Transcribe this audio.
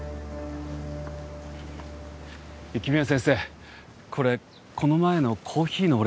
雪宮先生これこの前のコーヒーのお礼です。